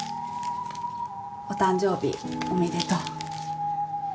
お誕生日おめでとう。